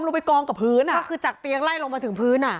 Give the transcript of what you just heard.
ลงไปกองกับพื้นอ่ะก็คือจากเตียงไล่ลงมาถึงพื้นอ่ะ